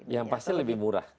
yang pasti lebih murah